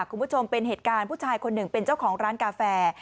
คุณผู้ชมเป็นเหตุการณ์ผู้ชายคนหนึ่งเป็นเจ้าของร้านกาแฟ